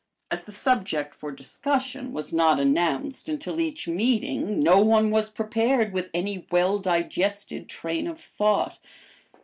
As the subject for discussion was not announced until each meeting, no one was prepared with any well digested train of thought.